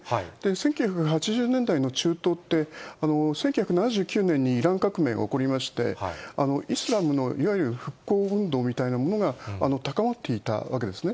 １９８０年代の中東って、１９７９年にイラン革命が起こりまして、イスラムのいわゆる復興運動みたいなものが高まっていたわけですね。